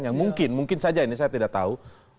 yang mungkin mungkin saja ini saya tidak tahu